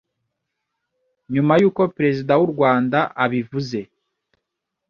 nyuma y’uko perezida w’u Rwanda abivuze